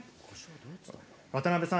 渡部さん